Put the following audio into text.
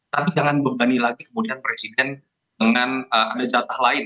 tapi jangan bebani lagi kemudian presiden dengan ambil jatah lain